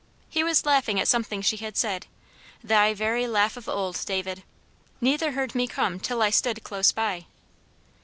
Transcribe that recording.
He was laughing at something she had said, thy very laugh of old, David! Neither heard me come till I stood close by.